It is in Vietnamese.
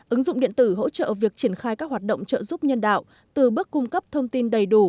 ứng dụng điện tử hỗ trợ việc triển khai các hoạt động trợ giúp nhân đạo từ bước cung cấp thông tin đầy đủ